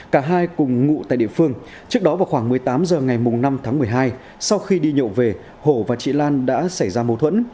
cả hai cùng ngụ tại địa phương trước đó vào khoảng một mươi tám h ngày năm tháng một mươi hai sau khi đi nhậu về hổ và chị lan đã xảy ra mâu thuẫn